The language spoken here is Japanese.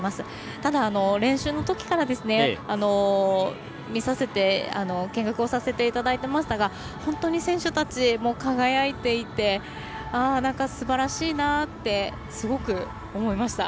ただ、練習のときから見学をさせていただいてましたが本当に選手たち、輝いていてすばらしいなってすごく思いました。